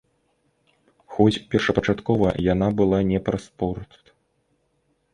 Хоць першапачаткова яна была не пра спорт.